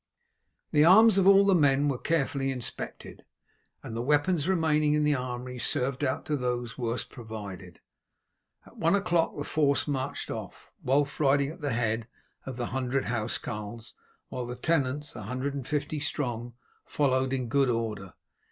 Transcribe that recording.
The arms of all the men were carefully inspected, and the weapons remaining in the armoury served out to those worst provided. At one o'clock the force marched off, Wulf riding at the head of the hundred housecarls, while the tenants, a hundred and fifty strong, followed in good order.